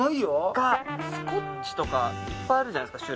高っスコッチとかいっぱいあるじゃないですか